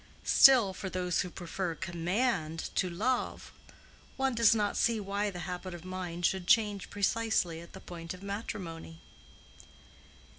Still, for those who prefer command to love, one does not see why the habit of mind should change precisely at the point of matrimony.